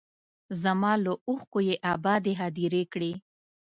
زما له اوښکو یې ابادې هدیرې کړې